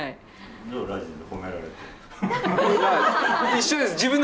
一緒です。